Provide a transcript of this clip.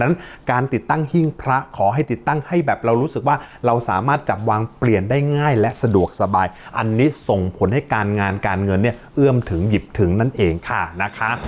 นั้นการติดตั้งหิ้งพระขอให้ติดตั้งให้แบบเรารู้สึกว่าเราสามารถจับวางเปลี่ยนได้ง่ายและสะดวกสบายอันนี้ส่งผลให้การงานการเงินเนี่ยเอื้อมถึงหยิบถึงนั่นเองค่ะนะคะ